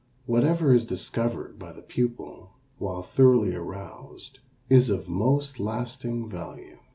Whatever is discovered by the pupil while thoroughly aroused is of most lasting value.